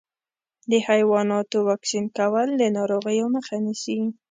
د حيواناتو واکسین کول د ناروغیو مخه نیسي.